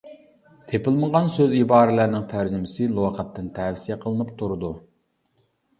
تېپىلمىغان سۆز-ئىبارىلەرنىڭ تەرجىمىسى لۇغەتتىن تەۋسىيە قىلىنىپ تۇرىدۇ.